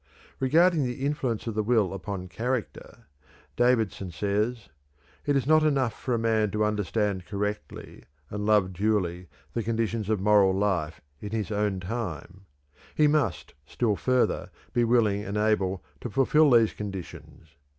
Regarding the influence of the will upon character, Davidson says: "It is not enough for a man to understand correctly and love duly the conditions of moral life in his own time; he must, still further, be willing and able to fulfill these conditions.